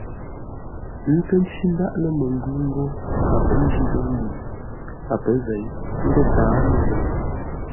Ə́ nkə̂ ncí ndáʼ lə́ məngwʉ̂ ńgó a pə̌ njî zə̂u a pə̌ zěi; ńgó tǎa mə́ngwə́nə.